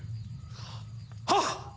はっ！